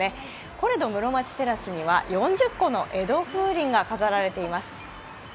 コレド室町テラスには４０個の江戸風鈴が飾られています。